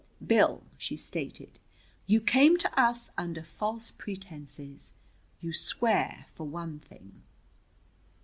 "Bill," she stated, "you came to us under false pretenses. You swear, for one thing."